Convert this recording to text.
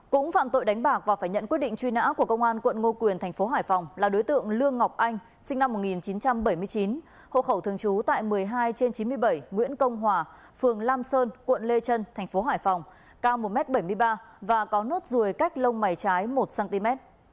cũng phạm tội đánh bạc và phải nhận quyết định truy nã của công an quận ngô quyền thành phố hải phòng là đối tượng lương ngọc anh sinh năm một nghìn chín trăm bảy mươi chín hộ khẩu thường trú tại một mươi hai trên chín mươi bảy nguyễn công hòa phường lam sơn quận lê trân thành phố hải phòng cao một m bảy mươi ba và có nốt ruồi cách lông mày trái một cm